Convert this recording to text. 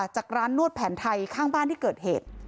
จากร้านนวดแผนไทยข้างบ้านที่เกิดเหตุ